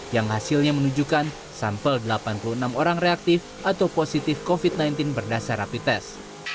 yang hasilnya menunjukkan sampel delapan puluh enam orang reaktif atau positif covid sembilan belas berdasar rapi tes